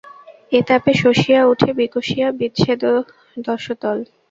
এ তাপে শ্বসিয়া উঠে বিকশিয়া বিচ্ছেদশতদল।